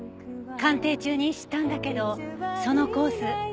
鑑定中に知ったんだけどそのコース